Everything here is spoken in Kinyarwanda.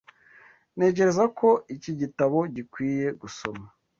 Ntekereza ko iki gitabo gikwiye gusoma.